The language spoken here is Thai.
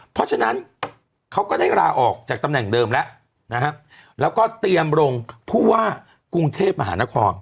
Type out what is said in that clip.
เพราะฉะนั้นเขาก็ได้ลาออกจากตำแหน่งเดิมแล้วนะครับแล้วก็เตรียมลงผู้ว่ากรุงเทพมหานคร